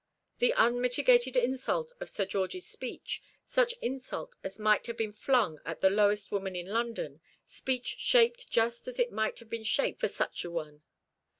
The unmitigated insult of Sir George's speech, such insult as might have been flung at the lowest woman in London, speech shaped just as it might have been shaped for such an one.